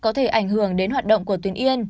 có thể ảnh hưởng đến hoạt động của tuyến yên